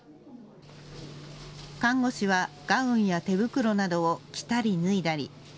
看護師はガウンや手袋などを着たり脱いだり。